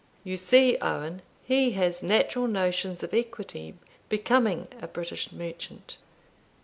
You see, Owen, he has natural notions of equity becoming a British merchant."